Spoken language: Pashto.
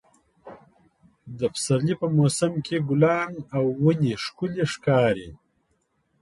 د پسرلي په موسم کې ګلان او ونې ښکلې ښکاري.